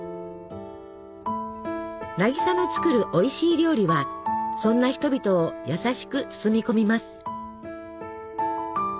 渚の作るおいしい料理はそんな人々を優しく包み込みます。